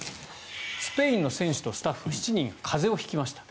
スペインの選手とスタッフ７人風邪を引きました。